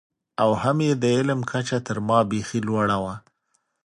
او هم یې د علم کچه تر ما بېخي لوړه وه.